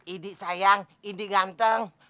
idi sayang idi ganteng